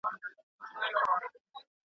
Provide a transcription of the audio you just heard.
یو تن وې چې لوهــــار یې سر لښکر دے تا وې نۀ دے